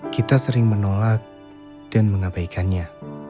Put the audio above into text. kita sering menolak dan mengabaikannya